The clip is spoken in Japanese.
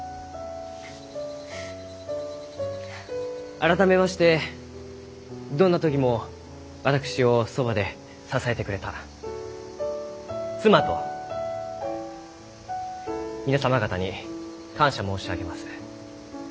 改めましてどんな時も私をそばで支えてくれた妻と皆様方に感謝申し上げます。